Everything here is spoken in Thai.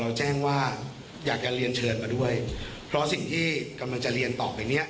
แจ้งว่าอยากจะเรียนเชิญมาด้วยเพราะสิ่งที่กำลังจะเรียนต่อไปเนี้ย